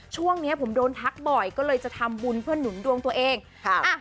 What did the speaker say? ช่วงเนี้ยผมโดนทักบ่อยก็เลยจะทำบุญเพื่อหนุนดวงตัวเองค่ะอ่ะ